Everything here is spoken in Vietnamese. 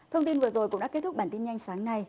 thông tin vừa rồi cũng đã kết thúc bản tin nhanh sáng nay